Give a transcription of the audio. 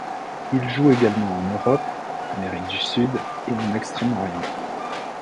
Il joue également en Europe, Amérique du Sud et en Extrême-Orient.